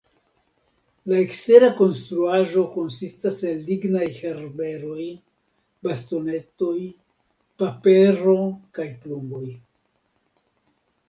La ekstera konstruaĵo konsistas el lignaj herberoj, bastonetoj, papero kaj plumoj.